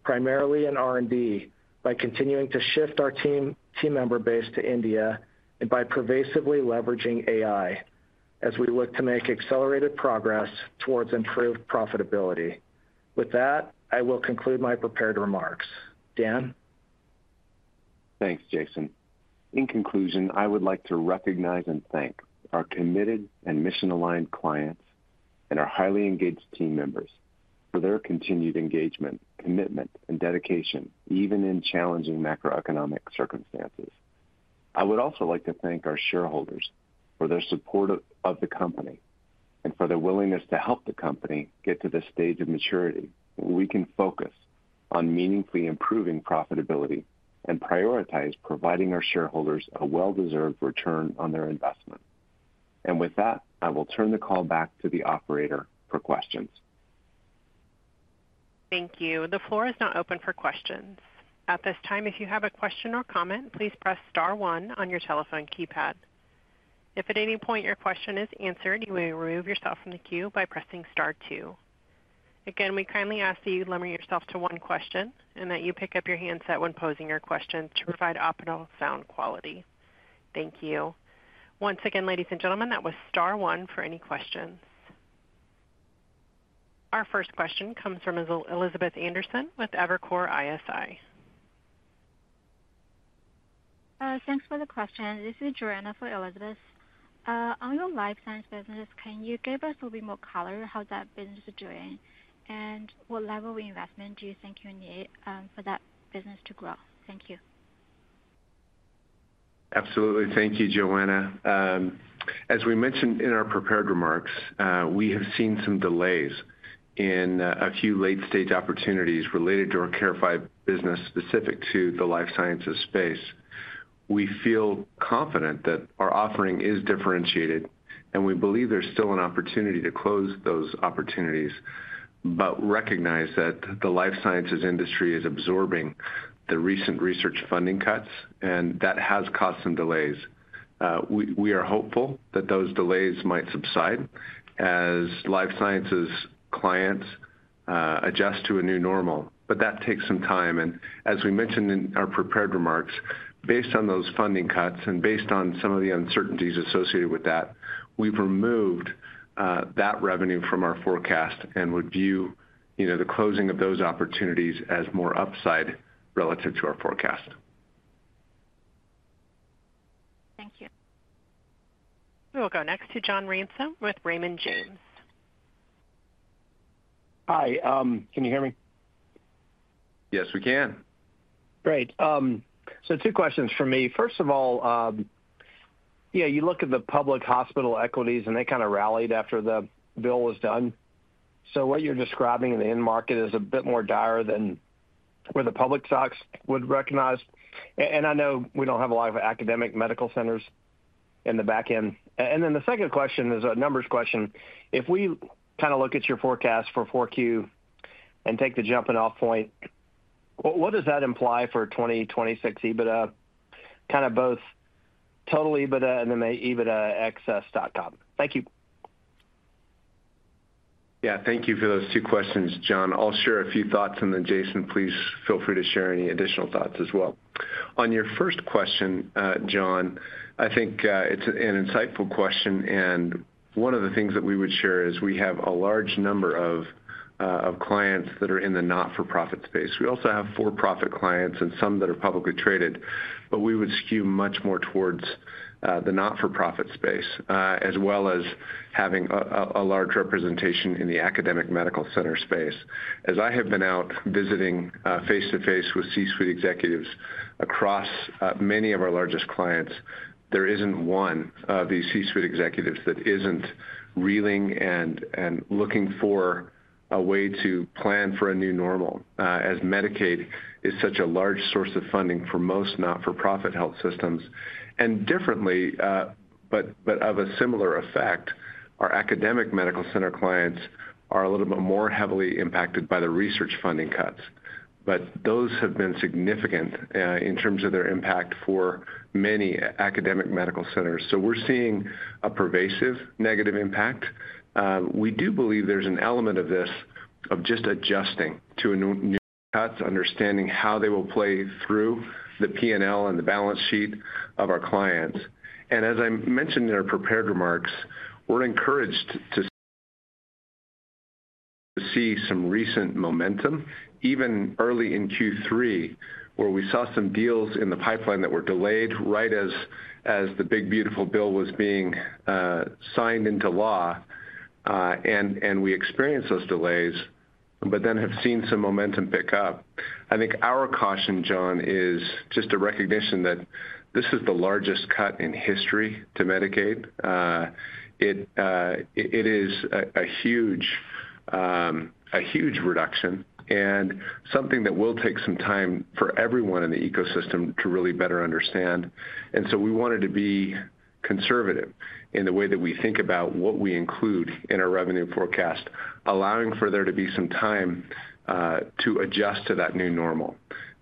primarily in R&D, by continuing to shift our team member base to India and by pervasively leveraging AI, as we look to make accelerated progress towards improved profitability. With that, I will conclude my prepared remarks. Dan? Thanks, Jason. In conclusion, I would like to recognize and thank our committed and mission-aligned clients and our highly engaged team members for their continued engagement, commitment, and dedication, even in challenging macroeconomic circumstances. I would also like to thank our shareholders for their support of the company and for their willingness to help the company get to the stage of maturity where we can focus on meaningfully improving profitability and prioritize providing our shareholders a well-deserved return on their investment. I will turn the call back to the operator for questions. Thank you. The floor is now open for questions. At this time, if you have a question or comment, please press star one on your telephone keypad. If at any point your question is answered, you may remove yourself from the queue by pressing star two. Again, we kindly ask that you limit yourself to one question and that you pick up your handset when posing your question to provide optimal sound quality. Thank you. Once again, ladies and gentlemen, that was star one for any questions. Our first question comes from Elizabeth Anderson with Evercore ISI. Thanks for the question. This is Joanna for Elizabeth. On your life sciences segment, can you give us a little bit more color on how that business is doing and what level of investment do you think you need for that business to grow? Thank you. Absolutely. Thank you, Joanna. As we mentioned in our prepared remarks, we have seen some delays in a few late-stage opportunities related to our Carevive business specific to the life sciences space. We feel confident that our offering is differentiated, and we believe there's still an opportunity to close those opportunities, but recognize that the life sciences industry is absorbing the recent research funding cuts, and that has caused some delays. We are hopeful that those delays might subside as life sciences clients adjust to a new normal, but that takes some time. As we mentioned in our prepared remarks, based on those funding cuts and based on some of the uncertainties associated with that, we've removed that revenue from our forecast and would view the closing of those opportunities as more upside relative to our forecast. Thank you. You're welcome. Next to John Ransom with Raymond James. Hi, can you hear me? Yes, we can. Great. Two questions from me. First of all, you look at the public hospital equities, and they kind of rallied after the bill was done. What you're describing in the end market is a bit more dire than where the public stocks would recognize. I know we don't have a lot of academic medical centers in the back end. The second question is a numbers question. If we look at your forecast for 4Q and take the jumping-off point, what does that imply for 2026 EBITDA? Both total EBITDA and then the EBITDA ex stock comp. Thank you. Yeah, thank you for those two questions, John. I'll share a few thoughts on them. Jason, please feel free to share any additional thoughts as well. On your first question, John, I think it's an insightful question. One of the things that we would share is we have a large number of clients that are in the not-for-profit space. We also have for-profit clients and some that are publicly traded, but we would skew much more towards the not-for-profit space, as well as having a large representation in the academic medical center space. As I have been out visiting face-to-face with C-suite executives across many of our largest clients, there isn't one of these C-suite executives that isn't reeling and looking for a way to plan for a new normal, as Medicaid is such a large source of funding for most not-for-profit health systems. Differently, but of a similar effect, our academic medical center clients are a little bit more heavily impacted by the research funding cuts. Those have been significant in terms of their impact for many academic medical centers. We're seeing a pervasive negative impact. We do believe there's an element of this of just adjusting to new cuts, understanding how they will play through the P&L and the balance sheet of our clients. As I mentioned in our prepared remarks, we're encouraged to see some recent momentum, even early in Q3, where we saw some deals in the pipeline that were delayed right as the Big Beautiful Bill was being signed into law. We experienced those delays, but then have seen some momentum pick up. I think our caution, John, is just a recognition that this is the largest cut in history to Medicaid. It is a huge reduction and something that will take some time for everyone in the ecosystem to really better understand. We wanted to be conservative in the way that we think about what we include in our revenue forecast, allowing for there to be some time to adjust to that new normal.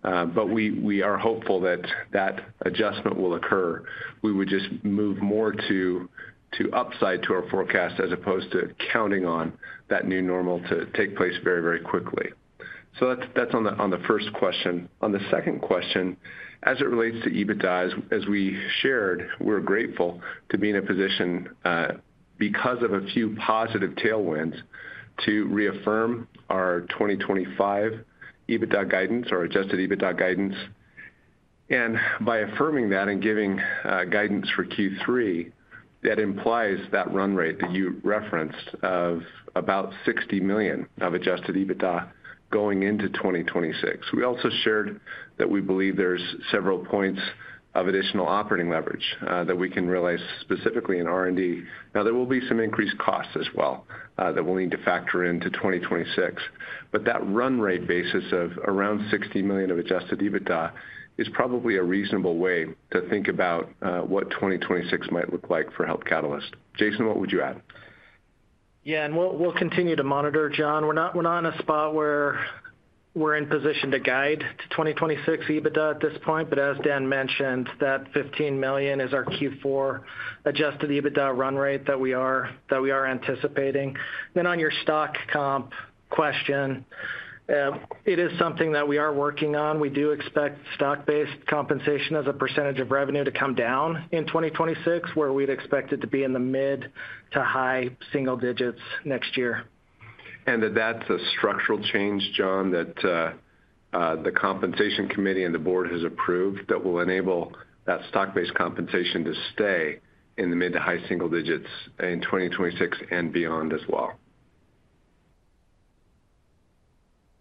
We are hopeful that that adjustment will occur. We would just move more to upside to our forecast as opposed to counting on that new normal to take place very, very quickly. That's on the first question. On the second question, as it relates to EBITDA, as we shared, we're grateful to be in a position, because of a few positive tailwinds, to reaffirm our 2025 EBITDA guidance or adjusted EBITDA guidance. By affirming that and giving guidance for Q3, that implies that run rate that you referenced of about $60 million of adjusted EBITDA going into 2026. We also shared that we believe there's several points of additional operating leverage that we can realize specifically in R&D. There will be some increased costs as well that we'll need to factor into 2026. That run rate basis of around $60 million of adjusted EBITDA is probably a reasonable way to think about what 2026 might look like for Health Catalyst. Jason, what would you add? Yeah, we'll continue to monitor, John. We're not in a spot where we're in position to guide to 2026 EBITDA at this point. As Dan mentioned, that $15 million is our Q4 adjusted EBITDA run rate that we are anticipating. On your stock comp question, it is something that we are working on. We do expect stock-based compensation as a percentage of revenue to come down in 2026, where we'd expect it to be in the mid to high single digits next year. That is a structural change, John, that the Compensation Committee and the board has approved that will enable that stock-based compensation to stay in the mid to high single digits in 2026 and beyond as well.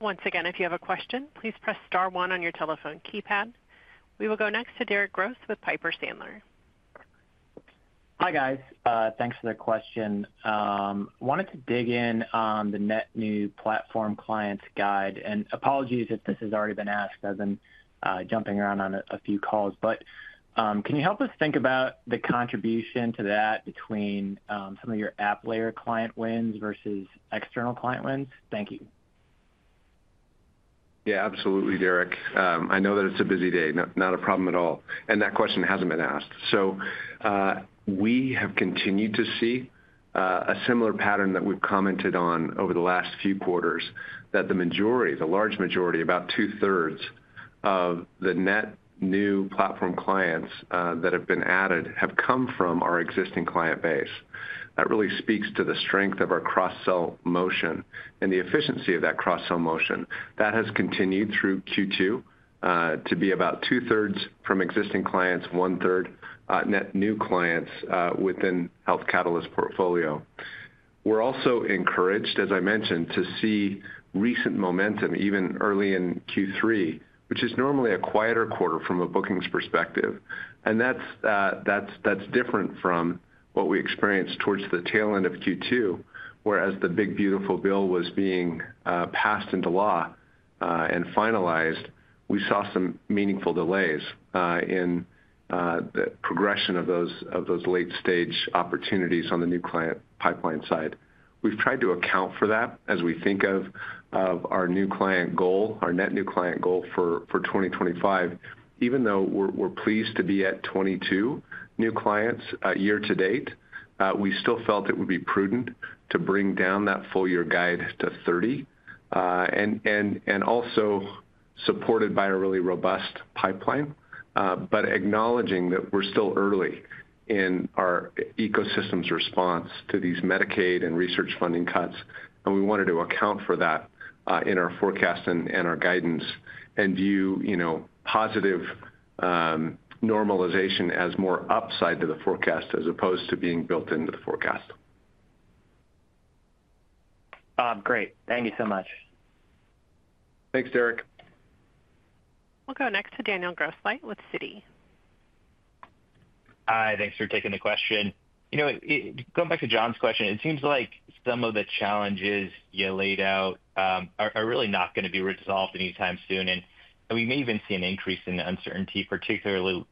Once again, if you have a question, please press star one on your telephone keypad. We will go next to Derek Gross with Piper Sandler. Hi guys, thanks for the question. I wanted to dig in on the net new platform clients guide, and apologies if this has already been asked as I'm jumping around on a few calls, but can you help us think about the contribution to that between some of your app layer client wins versus external client wins? Thank you. Yeah, absolutely, Derek. I know that it's a busy day, not a problem at all, and that question hasn't been asked. We have continued to see a similar pattern that we've commented on over the last few quarters, that the majority, the large majority, about two-thirds of the net new platform clients that have been added have come from our existing client base. That really speaks to the strength of our cross-sell motion and the efficiency of that cross-sell motion. That has continued through Q2 to be about 2/3 from existing clients, one-third net new clients within Health Catalyst's portfolio. We're also encouraged, as I mentioned, to see recent momentum, even early in Q3, which is normally a quieter quarter from a bookings perspective. That is different from what we experienced towards the tail end of Q2, whereas the Big Beautiful Bill was being passed into law and finalized, we saw some meaningful delays in the progression of those late-stage opportunities on the new client pipeline side. We've tried to account for that as we think of our new client goal, our net new client goal for 2025. Even though we're pleased to be at 22 new clients year to date, we still felt it would be prudent to bring down that full year guide to 30, and also supported by a really robust pipeline, but acknowledging that we're still early in our ecosystem's response to these Medicaid and research funding cuts. We wanted to account for that in our forecast and our guidance and view positive normalization as more upside to the forecast as opposed to being built into the forecast. Great, thank you so much. Thanks, Derek. We'll go next to Daniel Grosslight with Citi. Hi, thanks for taking the question. Going back to John's question, it seems like some of the challenges you laid out are really not going to be resolved anytime soon. We may even see an increase in uncertainty, particularly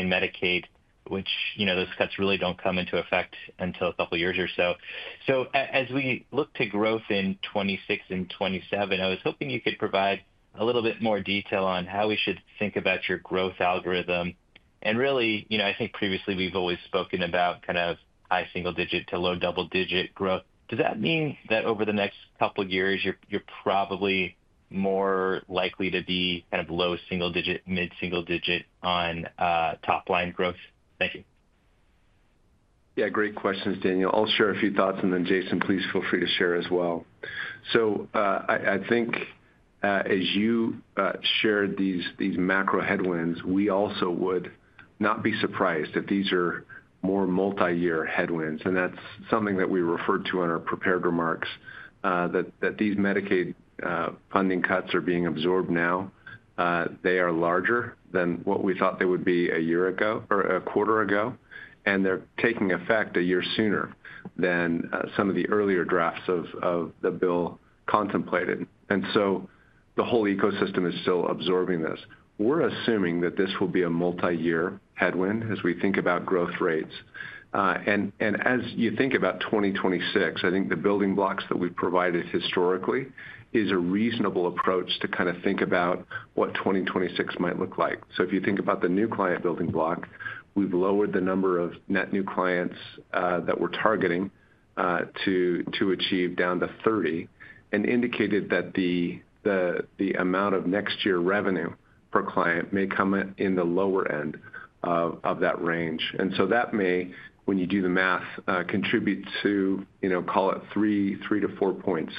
in Medicaid, which those cuts really don't come into effect until a couple of years or so. As we look to growth in 2026 and 2027, I was hoping you could provide a little bit more detail on how we should think about your growth algorithm. I think previously we've always spoken about kind of high single digit to low double digit growth. Does that mean that over the next couple of years you're probably more likely to be kind of low single digit, mid single digit on top line growth? Thank you. Yeah, great questions, Daniel. I'll share a few thoughts, and then Jason, please feel free to share as well. I think as you shared these macro headwinds, we also would not be surprised that these are more multi-year headwinds. That's something that we referred to in our prepared remarks, that these Medicaid funding cuts are being absorbed now. They are larger than what we thought they would be a year ago or a quarter ago, and they're taking effect a year sooner than some of the earlier drafts of the bill contemplated. The whole ecosystem is still absorbing this. We're assuming that this will be a multi-year headwind as we think about growth rates. As you think about 2026, I think the building blocks that we've provided historically are a reasonable approach to kind of think about what 2026 might look like. If you think about the new client building block, we've lowered the number of net new clients that we're targeting to achieve down to 30 and indicated that the amount of next year revenue per client may come in the lower end of that range. That may, when you do the math, contribute to, you know, call it three to four points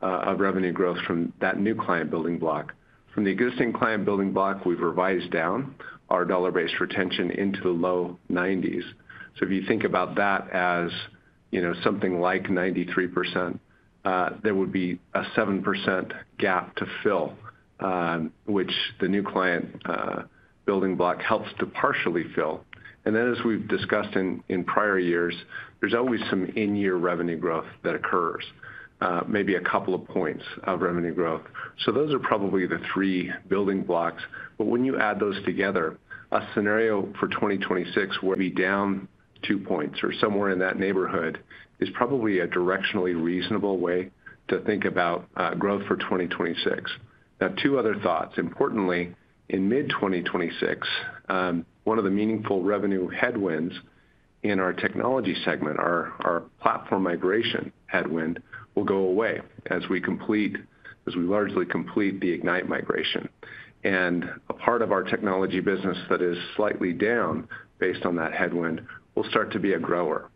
of revenue growth from that new client building block. From the existing client building block, we've revised down our dollar-based retention into the low 90s. If you think about that as, you know, something like 93%, there would be a 7% gap to fill, which the new client building block helps to partially fill. As we've discussed in prior years, there's always some in-year revenue growth that occurs, maybe a couple of points of revenue growth. Those are probably the three building blocks. When you add those together, a scenario for 2026 where we're down two points or somewhere in that neighborhood is probably a directionally reasonable way to think about growth for 2026. Now, two other thoughts. Importantly, in mid-2026, one of the meaningful revenue headwinds in our technology segment, our platform migration headwind, will go away as we largely complete the Ignite migration. A part of our technology business that is slightly down based on that headwind will start to be a grower.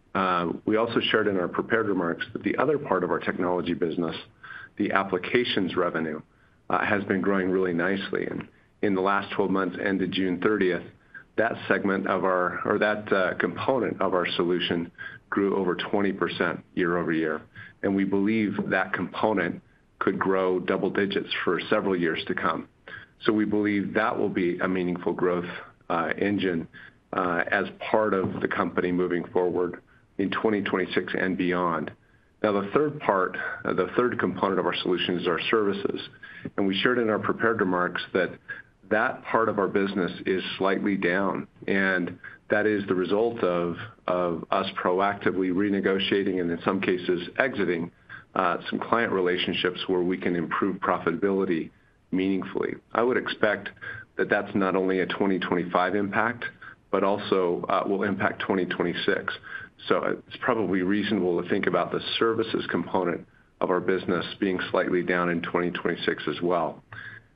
We also shared in our prepared remarks that the other part of our technology business, the applications revenue, has been growing really nicely. In the last 12 months, end of June 30th, that segment of our, or that component of our solution, grew over 20% year-over-year. We believe that component could grow double digits for several years to come. We believe that will be a meaningful growth engine as part of the company moving forward in 2026 and beyond. The third part, the third component of our solution is our services. We shared in our prepared remarks that that part of our business is slightly down. That is the result of us proactively renegotiating and, in some cases, exiting some client relationships where we can improve profitability meaningfully. I would expect that that's not only a 2025 impact, but also will impact 2026. It's probably reasonable to think about the services component of our business being slightly down in 2026 as well.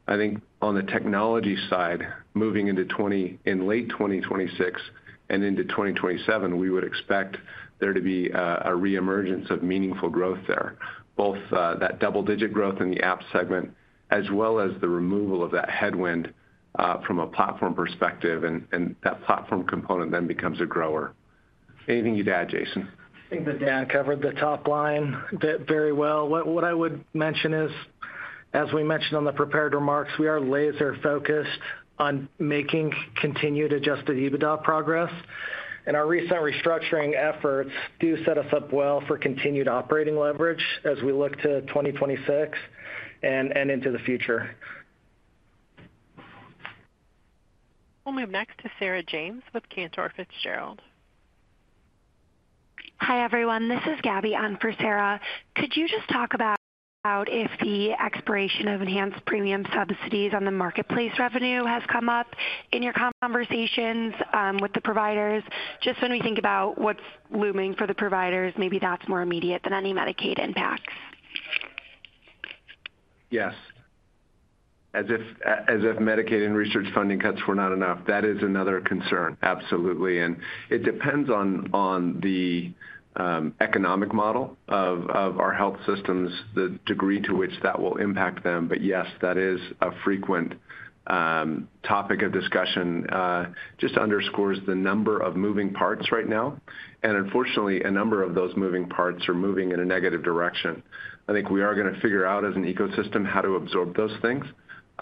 I think on the technology side, moving into late 2026 and into 2027, we would expect there to be a reemergence of meaningful growth there, both that double-digit growth in the app segment, as well as the removal of that headwind from a platform perspective. That platform component then becomes a grower. Anything you'd add, Jason? I think that Dan covered the top line very well. What I would mention is, as we mentioned on the prepared remarks, we are laser-focused on making continued adjusted EBITDA progress. Our recent restructuring efforts do set us up well for continued operating leverage as we look to 2026 and into the future. Let's move next to Sarah James with Cantor Fitzgerald. Hi everyone, this is Gabie on for Sarah. Could you just talk about if the expiration of enhanced premium subsidies on the marketplace revenue has come up in your conversations with the providers? Just when we think about what's looming for the providers, maybe that's more immediate than any Medicaid impacts. Yes. As if Medicaid and research funding cuts were not enough, that is another concern, absolutely. It depends on the economic model of our health systems, the degree to which that will impact them. Yes, that is a frequent topic of discussion. It just underscores the number of moving parts right now. Unfortunately, a number of those moving parts are moving in a negative direction. I think we are going to figure out as an ecosystem how to absorb those things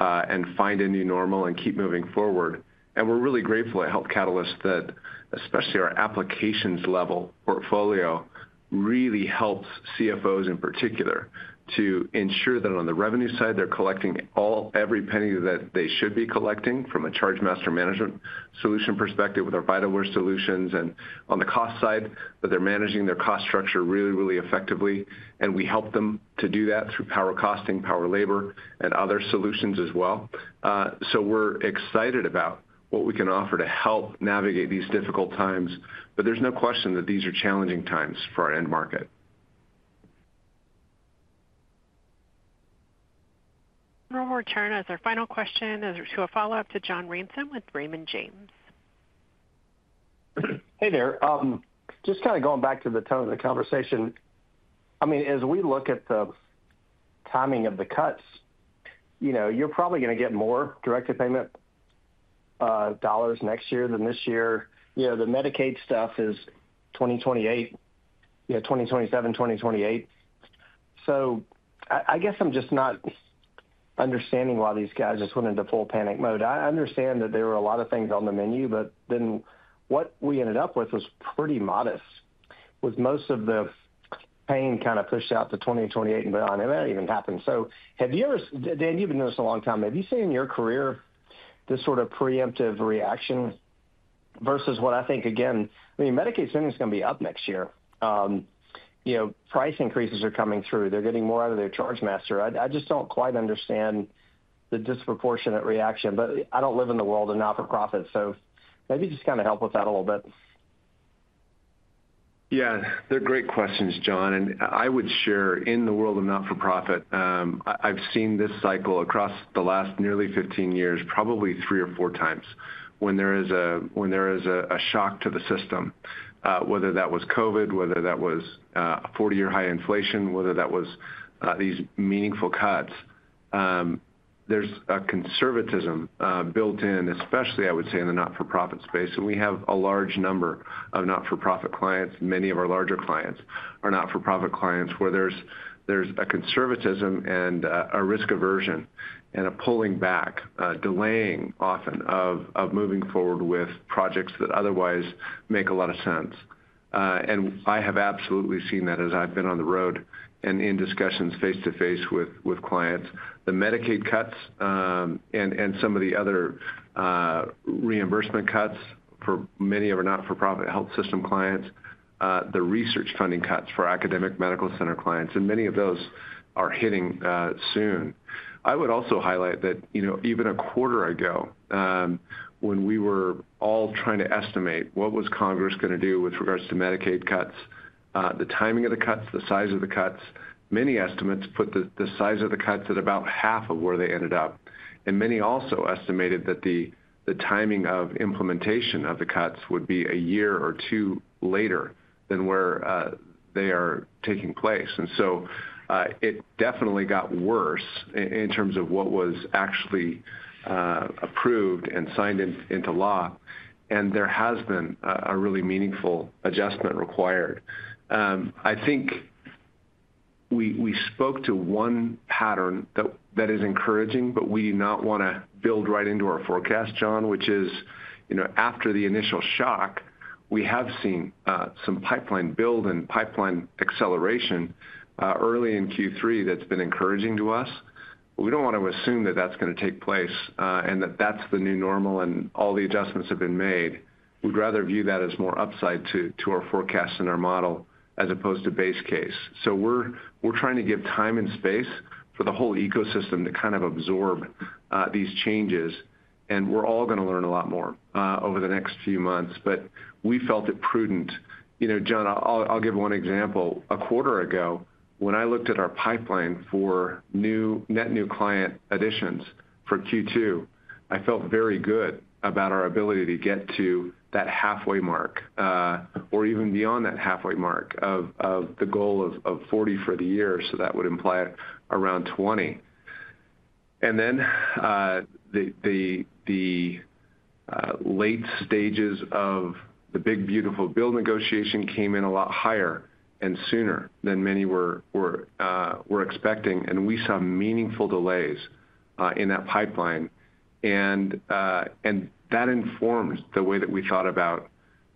and find a new normal and keep moving forward. We are really grateful at Health Catalyst that especially our applications level portfolio really helps CFOs in particular to ensure that on the revenue side, they're collecting every penny that they should be collecting from a Chargemaster Management Solution perspective with our Vitalware solutions. On the cost side, they're managing their cost structure really, really effectively. We help them to do that through power costing, power labor, and other solutions as well. We are excited about what we can offer to help navigate these difficult times. There is no question that these are challenging times for our end market. One more turn as our final question to a follow-up to John Ransom with Raymond James. Hey there. Just kind of going back to the tone of the conversation, I mean, as we look at the timing of the cuts, you know, you're probably going to get more direct to payment dollars next year than this year. The Medicaid stuff is 2027, 2028. I guess I'm just not understanding why these guys just went into full panic mode. I understand that there were a lot of things on the menu, but what we ended up with was pretty modest, with most of the pain kind of pushed out to 2028 and beyond. It may not even happen. Have you ever, Dan, you've been doing this a long time, have you seen in your career this sort of preemptive reaction versus what I think, again, I mean, Medicaid is going to be up next year. Price increases are coming through. They're getting more out of their Chargemaster. I just don't quite understand the disproportionate reaction, but I don't live in the world of not-for-profit, so maybe just kind of help with that a little bit. Yeah, they're great questions, John. I would share, in the world of not-for-profit, I've seen this cycle across the last nearly 15 years, probably three or four times, when there is a shock to the system, whether that was COVID, whether that was a 40-year high inflation, whether that was these meaningful cuts. There's a conservatism built in, especially, I would say, in the not-for-profit space. We have a large number of not-for-profit clients. Many of our larger clients are not-for-profit clients, where there's a conservatism and a risk aversion and a pulling back, delaying often of moving forward with projects that otherwise make a lot of sense. I have absolutely seen that as I've been on the road and in discussions face-to-face with clients. The Medicaid cuts and some of the other reimbursement cuts for many of our not-for-profit health system clients, the research funding cuts for academic medical center clients, and many of those are hitting soon. I would also highlight that even a quarter ago, when we were all trying to estimate what was Congress going to do with regards to Medicaid cuts, the timing of the cuts, the size of the cuts, many estimates put the size of the cuts at about half of where they ended up. Many also estimated that the timing of implementation of the cuts would be a year or two later than where they are taking place. It definitely got worse in terms of what was actually approved and signed into law. There has been a really meaningful adjustment required. I think we spoke to one pattern that is encouraging, but we do not want to build right into our forecast, John, which is, you know, after the initial shock, we have seen some pipeline build and pipeline acceleration early in Q3 that's been encouraging to us. We don't want to assume that that's going to take place and that that's the new normal and all the adjustments have been made. We'd rather view that as more upside to our forecast and our model as opposed to base case. We're trying to give time and space for the whole ecosystem to kind of absorb these changes. We're all going to learn a lot more over the next few months, but we felt it prudent. You know, John, I'll give one example. A quarter ago, when I looked at our pipeline for new net new client additions for Q2, I felt very good about our ability to get to that halfway mark or even beyond that halfway mark of the goal of 40 for the year. That would imply around 20. The late stages of the Big Beautiful Bill negotiation came in a lot higher and sooner than many were expecting. We saw meaningful delays in that pipeline, and that informs the way that we thought about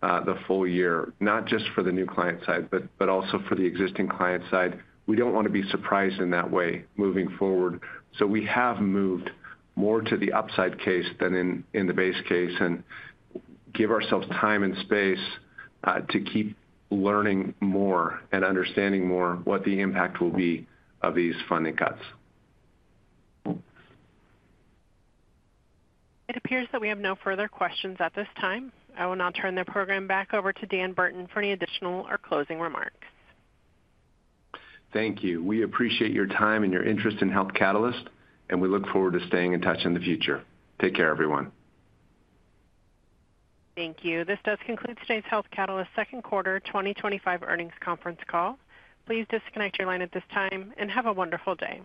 the full year, not just for the new client side, but also for the existing client side. We don't want to be surprised in that way moving forward. We have moved more to the upside case than in the base case and give ourselves time and space to keep learning more and understanding more what the impact will be of these funding cuts. It appears that we have no further questions at this time. I will now turn the program back over to Dan Burton for any additional or closing remarks. Thank you. We appreciate your time and your interest in Health Catalyst, and we look forward to staying in touch in the future. Take care, everyone. Thank you. This does conclude today's Health Catalyst Second Quarter 2025 Earnings Conference Call. Please disconnect your line at this time and have a wonderful day.